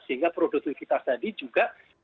sehingga produktivitas tadi juga akan berkembang